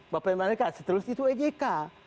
bapak ibu mereka seterusnya itu ejk